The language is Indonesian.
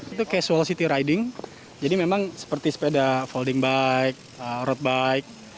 itu casual city riding jadi memang seperti sepeda folding bike road bike